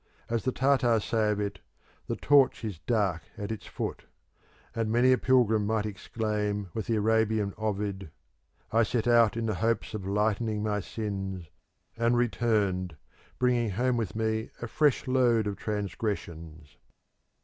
As the Tartars say of it, "The Torch is dark at its foot," and many a pilgrim might exclaim with the Arabian Ovid; "I set out in the hopes of lightening my sins, And returned, bringing home with me a fresh load of transgressions."